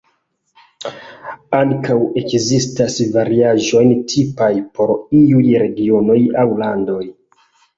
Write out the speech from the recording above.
Ankaŭ ekzistas variaĵoj tipaj por iuj regionoj aŭ landoj.